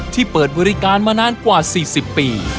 เปิดบริการมานานกว่า๔๐ปี